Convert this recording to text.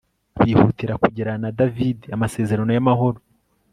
bihutira kugirana na dawidi amasezerano y'amahoro